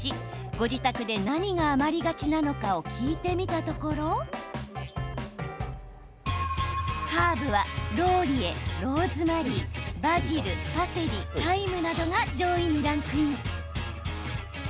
ご自宅で何が余りがちなのかを聞いてみたところハーブはローリエ、ローズマリーバジル、パセリ、タイムなどが上位にランクイン。